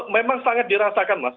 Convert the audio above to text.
memang sangat dirasakan mas